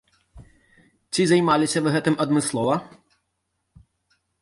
Ці займаліся вы гэтым адмыслова?